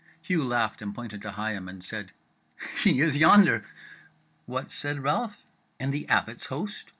Hugh laughed and pointed to Higham, and said: "He is yonder." "What," said Ralph, "in the Abbot's host?"